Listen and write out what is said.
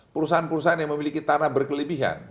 perusahaan perusahaan yang memiliki tanah berkelebihan